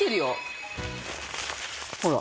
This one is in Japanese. ほら。